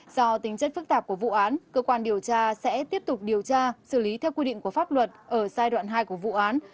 do tính chất phức tạp của vụ án cơ quan điều tra sẽ tiếp tục điều tra xử lý theo quy định của pháp luật ở giai đoạn hai của vụ án